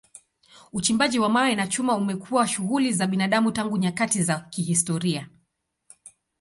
Uchimbaji wa mawe na chuma imekuwa shughuli za binadamu tangu nyakati za kihistoria.